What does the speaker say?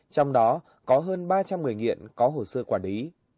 trong đó có hơn ba trăm linh người nghiện có hồ sơ quản lý